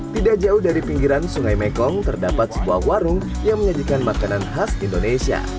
tidak jauh dari pinggiran sungai mekong terdapat sebuah warung yang menyajikan makanan khas indonesia